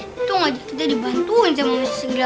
untung aja kita dibantuin sama manusia segala